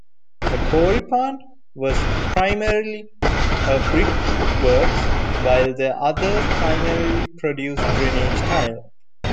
The Cory plant was primarily a brickworks, while the others primarily produced drainage tile.